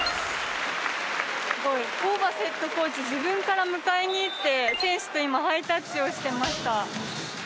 すごい、ホーバスヘッドコーチ、自分から迎えにいって、選手と今、ハイタッチをしてました。